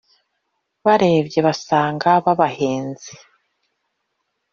Barebye basanga babahenze.